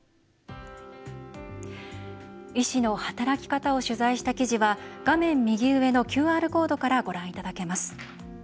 医師の働き方を取材した記事は画面右上のＱＲコードからご覧いただけます。